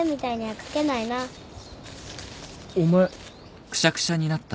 お前。